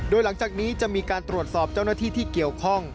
โดยหลังจากนี้จะมีการตรวจสอบเจ้าหน้าที่ที่เกี่ยวข้อง